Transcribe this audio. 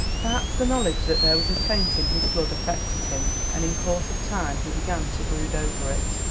Perhaps the knowledge that there was a taint in his blood affected him, and in course of time he began to brood over it.